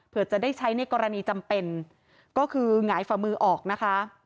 เพื่อจะได้ใช้ในกรณีจำเป็นก็คือหงายฝ่ามือออกนะคะ